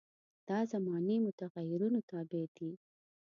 دا زماني متغیرونو تابع دي.